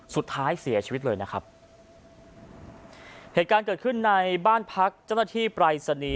สุดท้ายเสียชีวิตเลยนะครับเหตุการณ์เกิดขึ้นในบ้านพักเจ้าหน้าที่ปรายศนีย์